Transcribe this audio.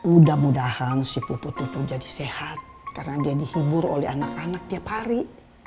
mudah mudahan si putu itu jadi sehat karena dia dihibur oleh anak anak tiap hari